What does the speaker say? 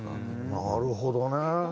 なるほどね。